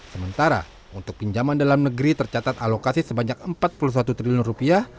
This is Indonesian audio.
sementara untuk pinjaman dalam negeri tercatat alokasi sebanyak empat puluh satu triliun rupiah